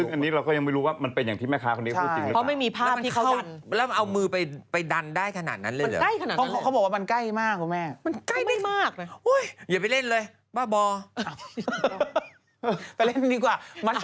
ซึ่งอันนี้เราก็ยังไม่รู้ว่ามันเป็นอย่างที่แม่ค้าคนนี้พูดจริงไหม